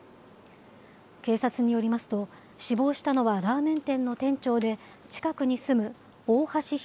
警察によりますと、死亡したのはラーメン店の店長で、近くに住む大橋弘